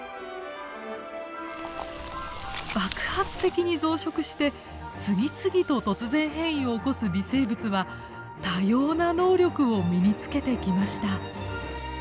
爆発的に増殖して次々と突然変異を起こす微生物は多様な能力を身につけてきました。